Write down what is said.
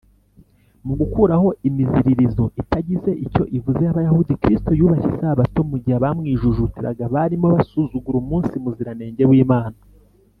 ” mu gukuraho imiziririzo itagize icyo ivuze y’abayahudi, kristo yubashye isabato mu gihe abamwijujutiraga barimo basuzugura umunsi muziranenge w’imana